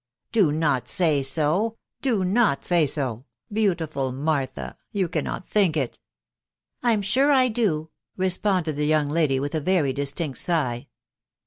" J)o not say so !.... do not say so !.... beautiful Martha !— you .cannot think it." " I'm sure I do," responded the young lady, with a very distinct sigh.